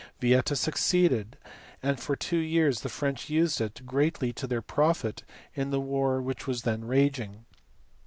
Vieta succeeded, and for two years the French used it, greatly to their profit, in the war which was then raging.